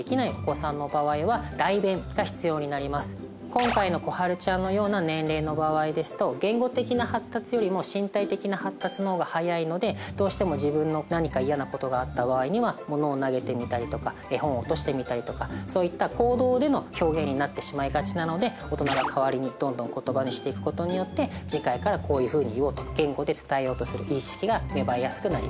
今回の心晴ちゃんのような年齢の場合ですと言語的な発達よりも身体的な発達の方が早いのでどうしても自分の何かイヤなことがあった場合には物を投げてみたりとか絵本を落としてみたりとかそういった行動での表現になってしまいがちなので大人が代わりにどんどん言葉にしていくことによって次回からこういうふうに言おうと言語で伝えようとする意識が芽生えやすくなります。